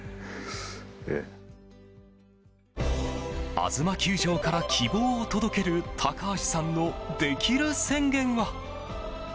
あづま球場から希望を届ける高橋さんのできる宣言は。